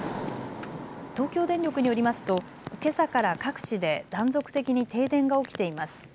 東京電力によりますとけさから各地で断続的に停電が起きています。